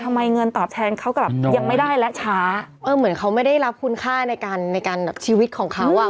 เงินตอบแทนเขากลับยังไม่ได้และช้าเออเหมือนเขาไม่ได้รับคุณค่าในการในการชีวิตของเขาอ่ะ